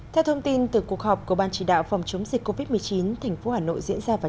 theo thông tin từ cuộc họp của ban chỉ đạo phòng chống dịch covid một mươi chín thành phố hà nội diễn ra vào